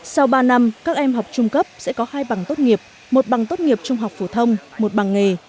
sau ba năm các em học trung cấp sẽ có hai bằng tốt nghiệp một bằng tốt nghiệp trung học phổ thông một bằng nghề